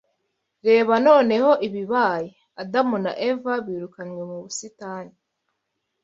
REBA noneho ibibaye Adamu na Eva birukanywe mu busitani